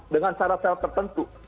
dengan cara cara tertentu